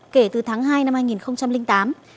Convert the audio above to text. kể từ tháng hai năm hai nghìn tám